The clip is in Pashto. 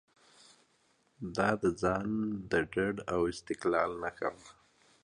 دا د ځان ډاډ او استقلال نښه وه.